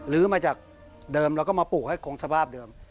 ื้อมาจากเดิมแล้วก็มาปลูกให้คงสภาพเดิม